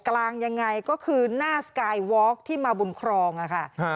กลางยังไงก็คือหน้าสกายวอล์กที่มาบุญครองค่ะ